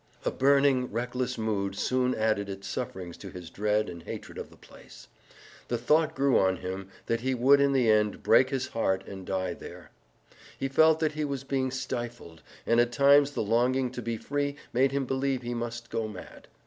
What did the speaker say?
A burning, reckless mood soon added its sufferings to his dread and hatred of the place. The thought grew on him that he would in the end break his heart and die there. He felt that he was being stifled, and at times the longing to be free made him believe he must go mad.